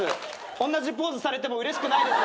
おんなじポーズされてもうれしくないです